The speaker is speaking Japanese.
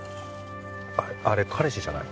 あれ彼氏じゃない？